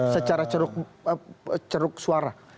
secara ceruk suara